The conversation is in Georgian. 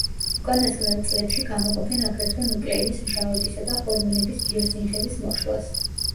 უკანასკნელ წლებში გამოყოფენ აგრეთვე ნუკლეინის მჟავებისა და ჰორმონების ბიოსინთეზის მოშლას.